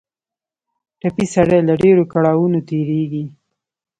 ټپي سړی له ډېرو کړاوونو تېرېږي.